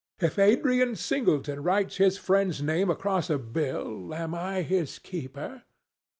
If Adrian Singleton writes his friend's name across a bill, am I his keeper?